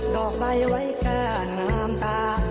ดอกใบไว้กล้างล้ามตา